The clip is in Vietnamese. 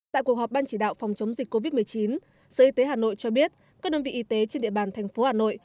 tại cuộc họp ban chỉ đạo phòng chống dịch covid một mươi chín sở y tế hà nội cho biết các đơn vị y tế trên địa bàn thành phố hà nội